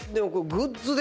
グッズで。